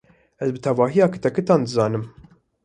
Ez bi tevahiya kitekitan dizanim.